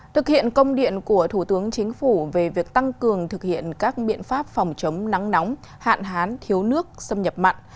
thực hiện công điện của thủ tướng chính phủ về việc tăng cường thực hiện các biện pháp phòng chống nắng nóng hạn hán thiếu nước xâm nhập mặn